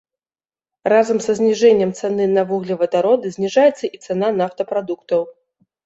Разам са зніжэннем цаны на вуглевадароды зніжаецца і цана нафтапрадуктаў.